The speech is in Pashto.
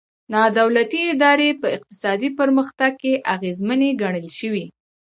نا دولتي ادارې په اقتصادي پرمختګ کې اغېزمنې ګڼل شوي.